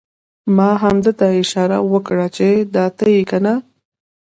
ما همده ته اشاره وکړه چې دا ته یې کنه؟!